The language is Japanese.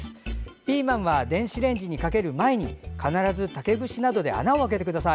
ピーマンは電子レンジにかける前に必ず竹串などで穴を開けてください。